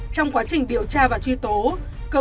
trong quá trình điều tra và truy tố